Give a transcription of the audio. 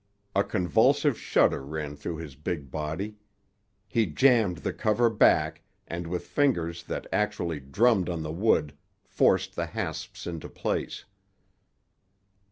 A convulsive shudder ran through his big body. He jammed the cover back, and, with fingers that actually drummed on the wood, forced the hasps into place.